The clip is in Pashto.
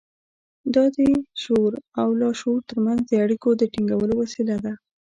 دا د شعور او لاشعور ترمنځ د اړيکو د ټينګولو وسيله ده.